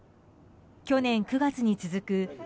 去年９月に続く